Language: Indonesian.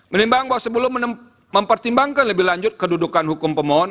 menimbang bahwa sebelum mempertimbangkan lebih lanjut kedudukan hukum pemohon